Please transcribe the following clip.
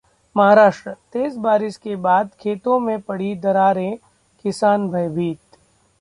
महाराष्ट्रः तेज बारिश के बाद खेतों में पड़ी दरारें, किसान भयभीत